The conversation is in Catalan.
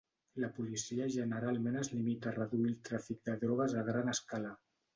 La policia generalment es limita a reduir el tràfic de drogues a gran escala.